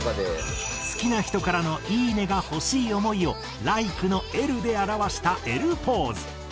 好きな人からの「いいね」が欲しい思いを「ＬＩＫＥ」の「Ｌ」で表したＬポーズ。